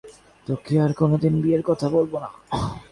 কাকা গমনোদ্যত এলাকে বললেন তোকে আর কোনোদিন বিয়ের কথা বলব না।